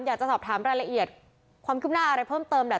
อยากจะสอบถามรายละเอียดความคืบหน้าอะไรเพิ่มเติมแหละ